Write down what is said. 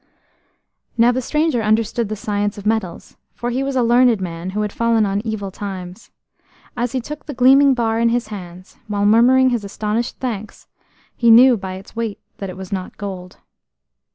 Now the stranger understood the science of metals, for he was a learned man who had fallen on evil times. As he took the gleaming bar in his hands, while murmuring his astonished thanks, he knew by its weight that it was not gold.